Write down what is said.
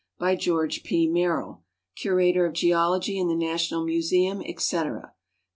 By George P. Merrill, Curator of Geology in the National Museum, etc. Pp.